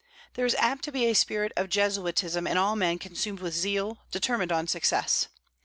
There is apt to be a spirit of Jesuitism in all men consumed with zeal, determined on success.